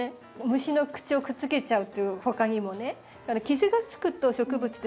虫の口をくっつけちゃうっていうほかにもね傷がつくと植物って